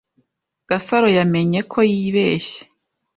Gasaro yamenye ko yibeshye.